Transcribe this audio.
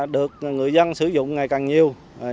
được người dân sử dụng ngày càng nhiều